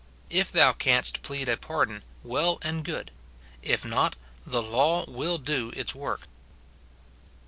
If thou canst plead a pardon, well and good ; if not, the law will do its work.